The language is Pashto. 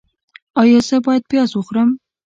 ایا زه باید پیاز وخورم؟